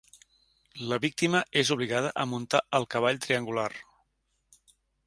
La víctima és obligada a muntar al cavall triangular.